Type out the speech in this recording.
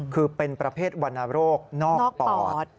คือเป็นประเภทวรรณโรคนอกปอด